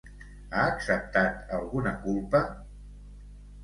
Ha acceptat alguna culpa?